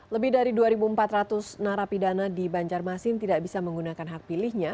lebih dari dua empat ratus narapidana di banjarmasin tidak bisa menggunakan hak pilihnya